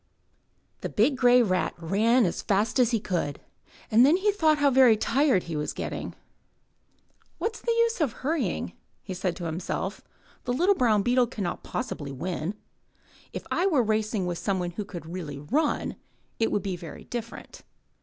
The big grey rat ran as fast as he could. Then he thought how very tired he was getting. * 'What's the use of hurrying?" he said to himself. *The little brown beetle can not possibly win. If I were racing with somebody who could really run, it would be very different.'